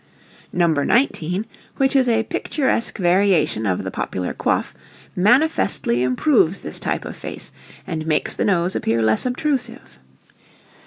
[Illustration: NO. 19] No. 19, which is a picturesque variation of the popular coif, manifestly improves this type of face, and makes the nose appear less obtrusive.